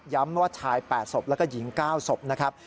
ว่าชาย๘ศพแล้วก็หญิง๙ศพนะครับ